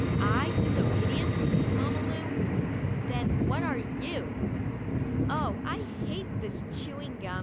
I disobedient, Mam ma Lu ? Th en w hat are you "Oh, I hate this chew ing gum